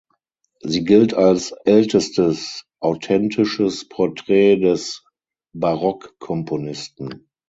Sie gilt als ältestes authentisches Porträt des Barockkomponisten.